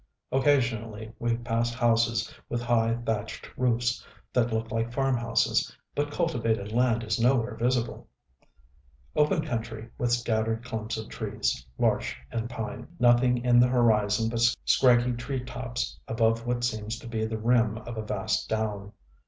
Occasionally we pass houses with high thatched roofs that look like farmhouses; but cultivated land is nowhere visible.... Open country with scattered clumps of trees, larch and pine. Nothing in the horizon but scraggy tree tops above what seems to be the rim of a vast down.